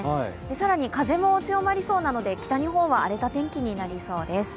更に風も強まりそうなので北日本は荒れた天気になりそうです。